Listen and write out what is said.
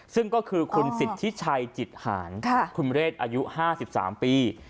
ซึ่งก็คือคุณสิทธิชัยจิตหารคุณเรศอายุ๕๓ปี